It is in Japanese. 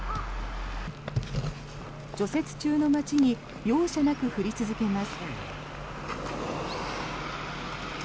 除雪中の街に容赦なく降り続けます。